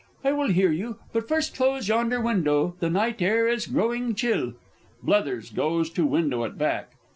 I will hear you, but first close yonder window, the night air is growing chill. [BLETHERS _goes to window at back.